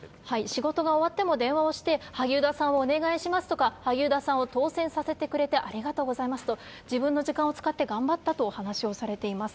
仕事が終わっても電話をして、萩生田さんをお願いしますとか、萩生田さんを当選させてくれてありがとうございますと、自分の時間を使って頑張ったと話をされています。